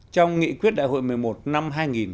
trong nghị quyết đại hội một mươi một năm